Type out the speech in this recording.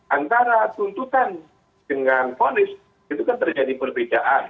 antara tuntutan dengan ponis itu kan terjadi perbedaan